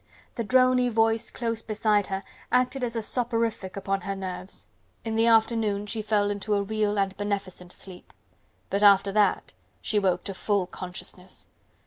The drony voice close beside her acted as a soporific upon her nerves. In the afternoon she fell into a real and beneficent sleep.... But after that, she woke to full consciousness!